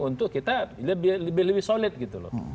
untuk kita lebih solid gitu loh